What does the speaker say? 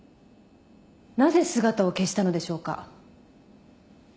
なぜ姿を消したのでしょうか？